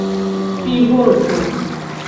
fivorto